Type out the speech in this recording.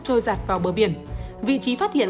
trôi giặt vào bờ biển vị trí phát hiện